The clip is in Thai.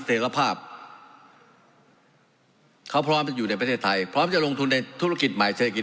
เสร็จภาพเขาพร้อมจะอยู่ในประเทศไทยพร้อมจะลงทุนในธุรกิจใหม่เศรษฐกิจ